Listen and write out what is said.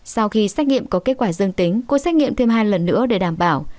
sau khi xét nghiệm có kết quả dương tính cô xét nghiệm thêm hai lần nữa để đảm bảo